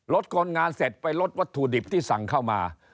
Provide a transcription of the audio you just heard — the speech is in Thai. คนงานเสร็จไปลดวัตถุดิบที่สั่งเข้ามา